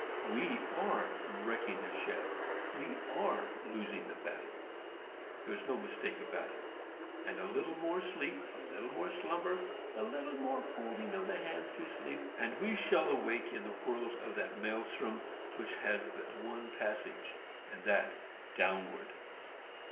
We are wrecking the ship,—we are losing the battle. There is no mistake about it. A little more sleep, a little more slumber, a little more folding of the hands to sleep, and we shall awake in the whirls of that maëlstrom which has but one passage, and that downward.